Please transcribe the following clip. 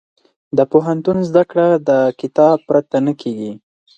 د پوهنتون زده کړه د کتاب پرته نه کېږي.